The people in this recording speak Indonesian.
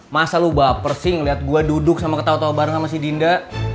masa lu baper sih ngeliat gue duduk sama ketawa tawa bareng sama si dinda